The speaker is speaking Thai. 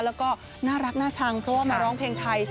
แล้วก็น่ารักน่าชังเพราะว่ามาร้องเพลงไทย